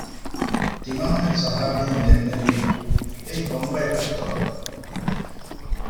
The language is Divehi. ތިމަންމެން ޞަޙާބީން ދެންނެވީމު، އެއީ ކޮން ބަޔަކަށްތޯ